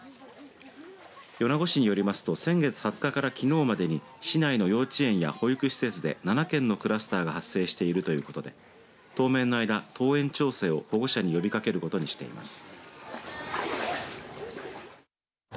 米子市によりますと先月２０日から、きのうまでに市内の幼稚園や保育施設で７件のクラスターが発生しているということで当面の間登園調整を保護者に呼びかけることにしています。